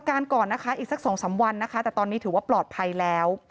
การก่อนนะคะอีกสัก๒๓วันนะคะแต่ตอนนี้ถือว่าปลอดภัยแล้ว